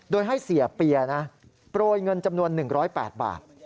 โดยให้เสียเปียนะโปรยเงินจำนวน๑๐๘บาท